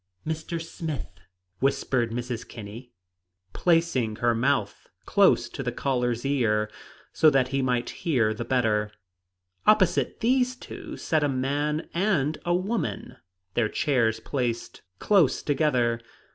"Mr. Smith," whispered Mrs. Kinney, placing her mouth close to the caller's ear, so that he might hear the better. Opposite these two sat a man and a woman, their chairs placed close together.